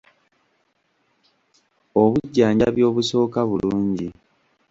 Obujjanjabi obusooka bulungi.